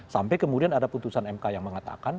sampai kemudian ada putusan mk yang mengatakan